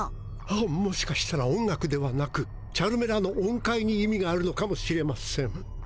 はっもしかしたら音楽ではなくチャルメラの音階に意味があるのかもしれません。